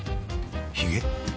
ひげ？